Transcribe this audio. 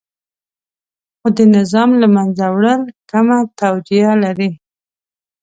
خو د نظام له منځه وړل کمه توجیه لري.